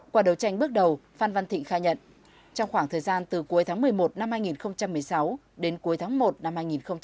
qua đấu tranh bước đầu phan văn thịnh khai nhận trong khoảng thời gian từ cuối tháng một mươi một năm hai nghìn một mươi sáu đến cuối tháng một năm hai nghìn hai mươi